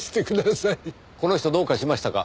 この人どうかしましたか？